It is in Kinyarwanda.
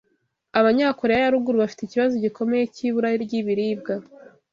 Abanyakoreya ya Ruguru bafite ikibazo gikomeye cy’ibura ry’ibiribwa